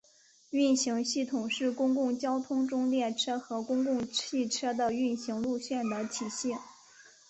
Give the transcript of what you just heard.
运行系统是公共交通中列车和公共汽车的运行路线的体系。